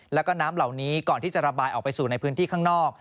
แล้วก็น้ำเหล่านี้ก่อนที่จะระบายออกไปสู่ในพื้นที่ข้างนอก